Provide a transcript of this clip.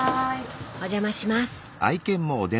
お邪魔します。